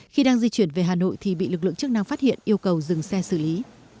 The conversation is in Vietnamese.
khi đang di chuyển về hà nội thì bị lực lượng chức năng phát hiện yêu cầu dừng xe xử lý